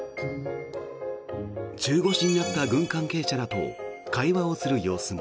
中腰になった軍関係者らと会話をする様子も。